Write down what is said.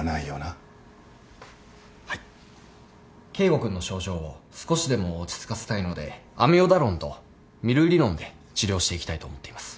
圭吾君の症状を少しでも落ち着かせたいのでアミオダロンとミルリノンで治療していきたいと思っています。